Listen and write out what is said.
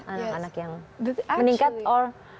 anak anak yang meningkat or